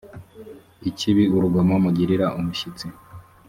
ikibi urugomo mugirira umushyitsi